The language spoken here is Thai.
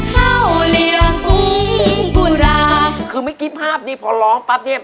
คือเมื่อกี้ภาพนี้พอร้องปั๊บนี่